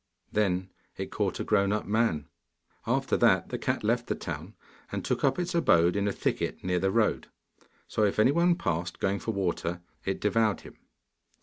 Then it caught a grown up man. After that the cat left the town and took up its abode in a thicket near the road. So if any one passed, going for water, it devoured him.